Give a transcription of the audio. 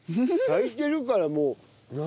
炊いてるからもう何？